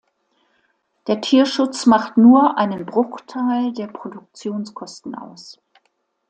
Der Tierschutz macht nur einen Bruchteil der Produktionskosten aus.